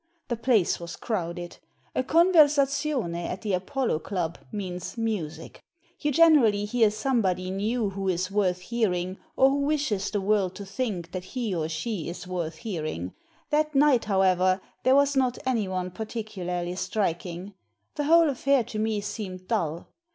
The place was crowded. A conversazione at the Apollo Club means music. You generally hear somebody new who is worth hearing or who wishes the world to think that he or she is worth hearing. That night, however, there was not anyone particularly striking. The whole affair to me seemed dull.